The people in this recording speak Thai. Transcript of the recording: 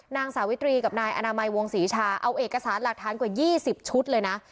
นางสาวิตรีกับนายอนามัยวงศรีชาเอาเอกสารหลักฐานกว่า๒๐ชุดเลยนะ